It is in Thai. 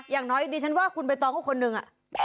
อย่างน้อยดิฉันว่าคุณใบตองก็คนหนึ่งอะ